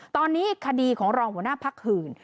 ตอนนี้คดีของรองหัวหน้าพักหื่น